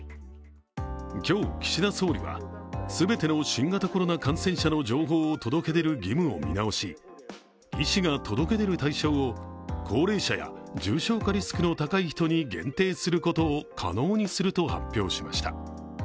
今日、岸田総理は全ての新型コロナ感染者の情報を届け出る義務を見直し、医師が届け出る対象を高齢者や重症化リスクの高い人に限定することを可能にすると発表しました。